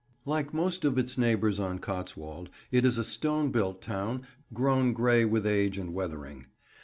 Like most of its neighbours on Cotswold, it is a stone built town, grown grey with age and weathering.